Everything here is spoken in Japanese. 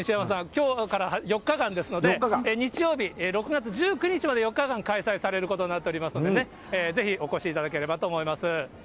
きょうから４日間ですので、日曜日、６月１９日まで４日間開催されることになっておりますのでね、ぜひお越しいただければと思います。